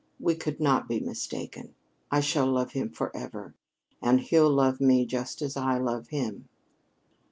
We could not be mistaken. I shall love him forever and he'll love me just as I love him."